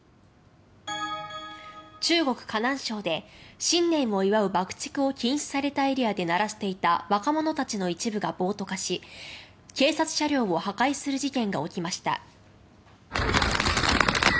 中国・河南省で新年を祝う爆竹を禁止されたエリアで鳴らしていた若者たちの一部が暴徒化し警察車両を破壊する事件が起きました。